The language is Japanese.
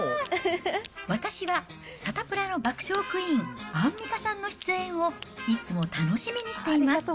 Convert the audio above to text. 私は、サタプラの爆笑クイーン、アンミカさんの出演をいつも楽しみにしています。